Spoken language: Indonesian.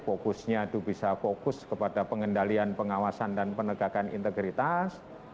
fokusnya itu bisa fokus kepada pengendalian pengawasan dan penegakan integritas